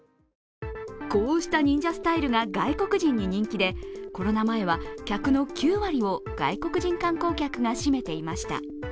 こうした忍者スタイルが外国人に人気で、コロナ前は客の９割を外国人観光客が占めていました。